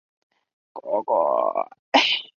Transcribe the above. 它被设计成可与长射程的共用运输工具与炮架。